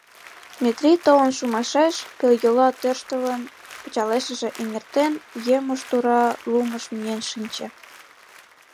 Метрий толын шумашеш, пелйола тӧрштылын, пычалешыже эҥертен, емыж тура лумыш миен шинче.